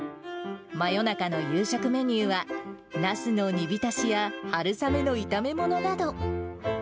真夜中の夕食メニューは、ナスの煮びたしや春雨の炒め物など。